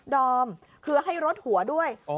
อมคือให้รดหัวด้วย